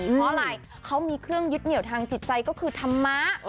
เพราะอะไรเขามีเครื่องยึดเหนียวทางจิตใจก็คือธรรมะ